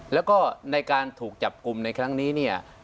แล้วก็ในการถูกจับกลุ่มในครั้งนี้เนี่ย